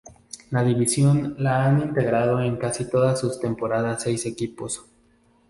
La división la han integrado en casi todas sus temporadas seis equipos.